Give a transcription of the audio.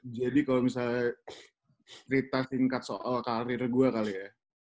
jadi kalo misalnya cerita singkat soal karir gue kali ya